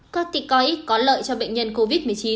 các tịch có ích có lợi cho bệnh nhân covid một mươi chín